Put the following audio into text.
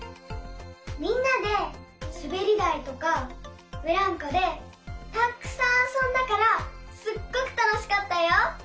みんなですべりだいとかブランコでたっくさんあそんだからすっごくたのしかったよ。